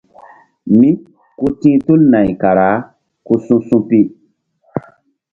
Mí ku ti̧h tul nay kara ku su̧su̧pi.